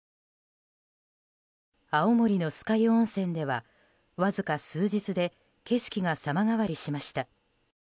青森の酸ヶ湯温泉ではわずか数日で景色が様変わりしました。